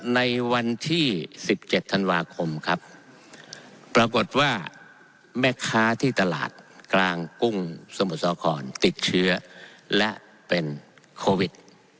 ในวันที่๑๗ธันวาคมครับปรากฏว่าแม่ค้าที่ตลาดกลางกุ้งสมุทรสาครติดเชื้อและเป็นโควิด